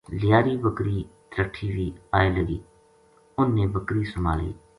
لیاری بکری ترٹھی وی آئے لگی انھ نے بکری سُمہالی